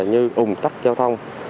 như ủng tắc giao thông